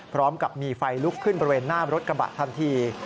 พร้อมกับมีไฟลุกขึ้นบริเวณหน้ารถกระบะทันที